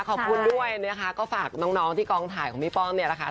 ขอบคุณด้วยนะคะก็ฝากน้องที่กองถ่ายของพี่ป้องเนี่ยแหละค่ะ